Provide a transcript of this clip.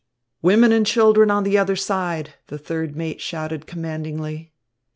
"Women and children on the other side!" the third mate shouted commandingly.